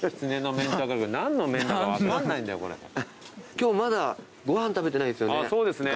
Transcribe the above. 今日まだご飯食べてないですよねがっつりと。